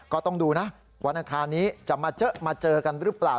ก็ต้องดูนะวันอังคารนี้จะมาเจอมาเจอกันหรือเปล่า